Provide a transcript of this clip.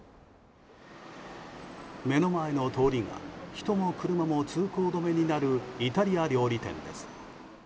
目の前の通りが人も車も通行止めになるイタリア料理店です。